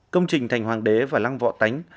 công trình thành hoàng đế và lăng vọ tánh